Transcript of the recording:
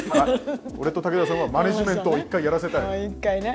俺と武田さんはマネジメントを一回やらせたい。